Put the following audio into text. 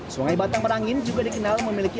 sungai batang merangin juga dikenal memiliki